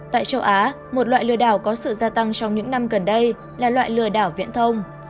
tại châu á một loại lừa đảo có sự gia tăng trong những năm gần đây là loại lừa đảo viễn thông